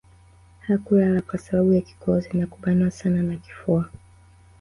Hakulala kwa sababu ya kikohozi na kubanwa sana na kifua